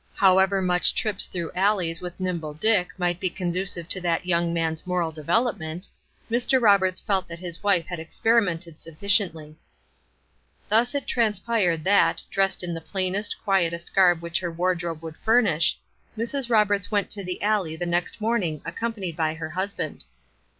However much trips through alleys with Nimble Dick might be conducive to that young man's moral development, Mr. Roberts felt that his wife had experimented sufficiently. Thus it transpired that, dressed in the plainest, quietest garb which her wardrobe would furnish, Mrs. Roberts went to the alley the next morning accompanied by her husband.